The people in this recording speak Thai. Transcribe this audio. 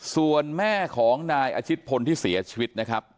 ส่วนแม่ของนายอาชิตพลที่เสียชีวิตนะครับ